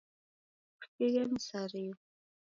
Kusighe misarigho.